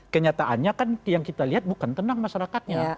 kenyataannya kan yang kita lihat bukan tenang masyarakatnya